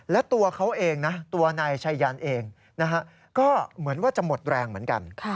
และตัวเขาเองนะตัวนายชัยยันเองนะฮะก็เหมือนว่าจะหมดแรงเหมือนกัน